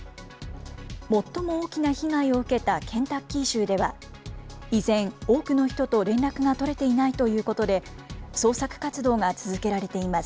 最も大きな被害を受けたケンタッキー州では、依然、多くの人と連絡が取れていないということで、捜索活動が続けられています。